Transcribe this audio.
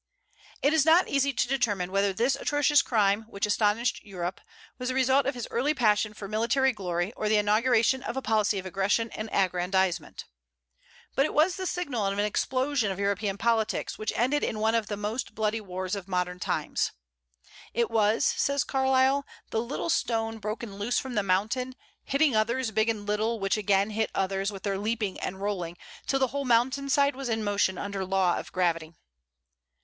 It is not easy to determine whether this atrocious crime, which astonished Europe, was the result of his early passion for military glory, or the inauguration of a policy of aggression and aggrandizement. But it was the signal of an explosion of European politics which ended in one of the most bloody wars of modern times. "It was," says Carlyle, "the little stone broken loose from the mountain, hitting others, big and little, which again hit others with their leaping and rolling, till the whole mountain side was in motion under law of gravity."